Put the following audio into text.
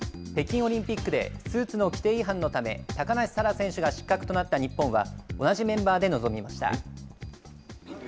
北京オリンピックでスーツの規定違反のため、高梨沙羅選手が失格となった日本は、同じメンバーで臨みました。